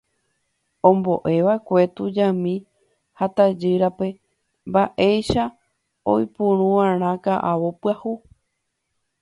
Ombo'eva'ekue tujami ha tajýrape mba'éichapa oipuru'arã ka'avo pyahu.